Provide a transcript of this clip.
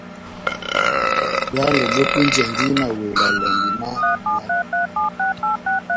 Bwálo bόtunjɛndi mawela lɔmbi má mwako.